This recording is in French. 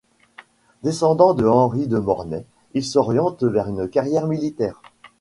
Descendant de Henri de Mornay, il s'oriente vers une carrière militaire.